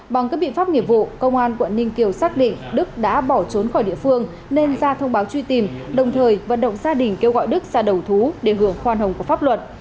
bằng các biện pháp nghiệp vụ công an quận ninh kiều xác định đức đã bỏ trốn khỏi địa phương nên ra thông báo truy tìm đồng thời vận động gia đình kêu gọi đức ra đầu thú để hưởng khoan hồng của pháp luật